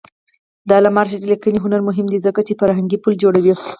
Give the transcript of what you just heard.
د علامه رشاد لیکنی هنر مهم دی ځکه چې فرهنګي پل جوړوي.